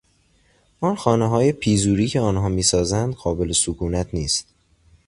آن خانههای پیزری که آنها میسازند قابل سکونت نیست.